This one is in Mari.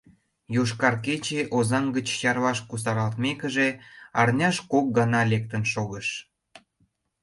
«Йошкар кече», Озаҥ гыч Чарлаш кусаралтмекыже, арняш кок гана лектын шогыш.